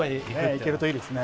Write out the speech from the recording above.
行けるといいですね。